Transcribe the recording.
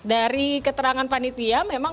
dari keterangan panitia memang